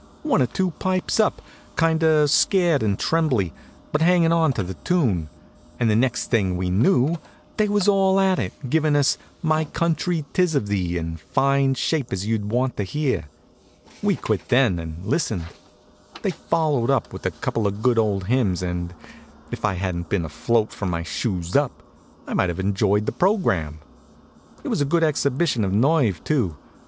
One or two pipes up, kind of scared and trembly, but hangin' onto the tune, and the next thing we knew they was all at it, givin' us "My Country 'Tis of Thee" in as fine shape as you'd want to hear. We quit then, and listened. They followed up with a couple of good old hymns and, if I hadn't been afloat from my shoes up, I might have enjoyed the program. It was a good exhibition of nerve, too.